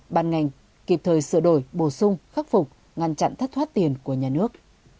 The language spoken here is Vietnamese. ban ngành kịp thời sửa đổi bổ sung khắc phục ngăn chặn thất thoát tiền của nhà nước